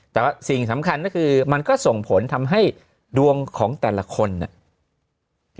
แต่ว่าสิ่งสำคัญก็คือมันก็ส่งผลทำให้ดวงของแต่ละคนเนี่ย